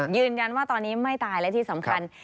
ยืนยันว่าตอนนี้ไม่ตายและที่สำคัญ